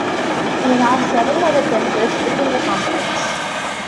There are several other temples within the complex.